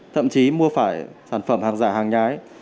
thậm chí mua phải sản phẩm hàng giả hàng nhái